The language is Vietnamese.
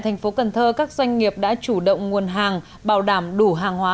thành phố cần thơ các doanh nghiệp đã chủ động nguồn hàng bảo đảm đủ hàng hóa